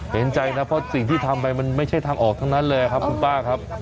เห็นใจนะเพราะสิ่งที่ทำไปมันไม่ใช่ทางออกทั้งนั้นเลยครับคุณป้าครับ